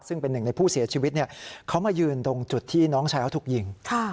ซึ่งเป็นหนึ่งในผู้เสียชีวิตเขามายืนตรงจุดที่น้องชายเขาถูกยิง